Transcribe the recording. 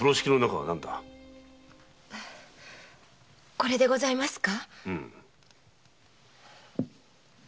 これでございますか？